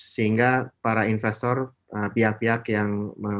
sehingga para investor pihak pihak yang